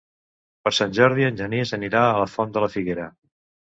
Per Sant Jordi en Genís anirà a la Font de la Figuera.